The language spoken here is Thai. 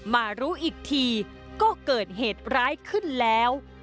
มารู้อีกทีก็เกิดเหตุร้ายขึ้นแล้ว